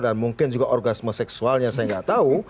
dan mungkin juga organisme seksualnya saya gak tahu